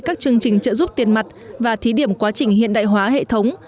các chương trình trợ giúp tiền mặt và thí điểm quá trình hiện đại hóa hệ thống